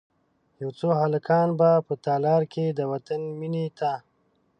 یو څو هلکان به په تالار کې، د وطن میینې ته،